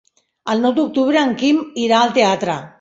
El nou d'octubre en Quim irà al teatre.